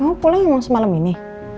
kamu pulang emang semalam ini